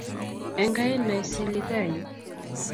Enkai naisiligayu